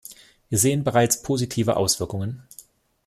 Wir sehen bereits positive Auswirkungen.